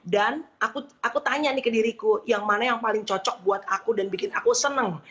dan aku tanya nih ke diriku yang mana yang paling cocok buat aku dan bikin aku senang